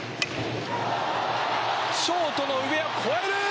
ショートの上を越える！